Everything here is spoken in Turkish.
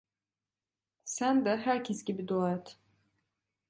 Sen de herkes gibi dua et…